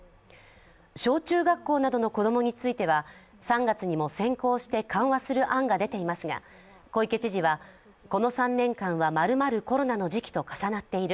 小中学校などの子供については３月にも先行して緩和する案が出ていますが、小池知事はこの３年間はまるまるコロナの時期と重なっている。